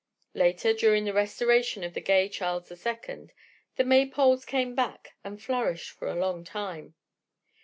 Later, during the restoration of the gay Charles the Second, the May poles came back and flourished for a long time.